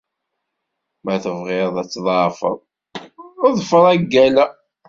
Ma tebɣiḍ ad tḍeɛfeḍ, ḍfer agal-a.